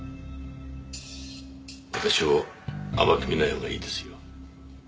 私を甘く見ないほうがいいですよ。